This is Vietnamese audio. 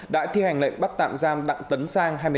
đã thi hành lệnh bắt tạm giam đặng tấn sang